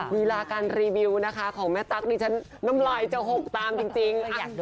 ลีลาการรีวิวนะคะของแม่ตั๊กดิฉันน้ำลายจะหกตามจริง